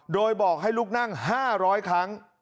โดยบอกให้ลูกนั่ง๕๐๐ครั้ง